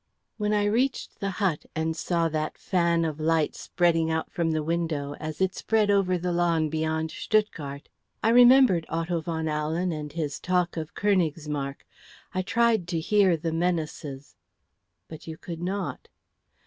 "When I reached the hut, and saw that fan of light spreading from the window, as it spread over the lawn beyond Stuttgart, I remembered Otto von Ahlen and his talk of Königsmarck. I tried to hear the menaces." "But you could not."